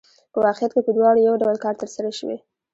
په واقعیت کې په دواړو یو ډول کار ترسره شوی